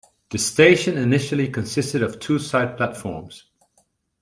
The station initially consisted of two side platforms.